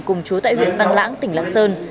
cùng chú tại huyện văn lãng tỉnh lạng sơn